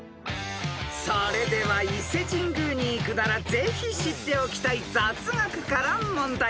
［それでは伊勢神宮に行くならぜひ知っておきたい雑学から問題］